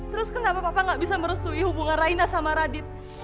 terus kenapa bapak gak bisa merestui hubungan raina sama radit